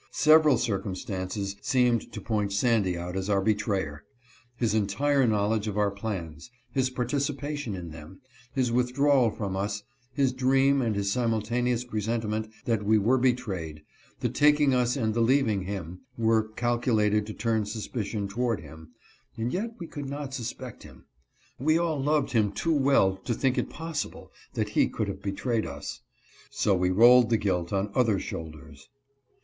Several circumstances seemed to point Sandy out as our betrayer. His entire knowledge of our plans, his participation in them, his withdrawal from us, his dream and his simultaneous presentiment that we were betrayed, the taking us and the leaving him, were calculated to turn suspicion toward him, and yet we could not suspect him. We all loved him too well to think it possible that he could have betrayed us. So we rolled the guilt on other shoulders.